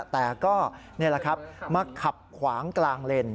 แต่ก็นี่แหละครับมาขับขวางกลางเลน